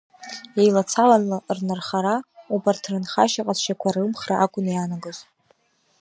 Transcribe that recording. Еилацаланы рнырхара убарҭ рынхашьа ҟазшьақәа рымхра акәын иаанагоз.